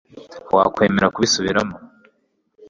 wakwemera kubisubiramo